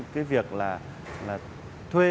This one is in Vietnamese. cái việc là thuê